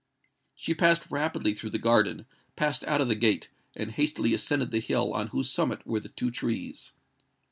She passed rapidly through the garden, passed out of the gate, and hastily ascended the hill on whose summit were the two trees.